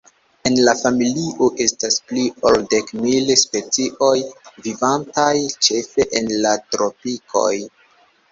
En la familio estas pli ol dek mil specioj, vivantaj ĉefe en la tropikoj.